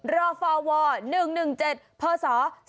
รอฟอวอร์๑๑๗พศ๒๕๔๘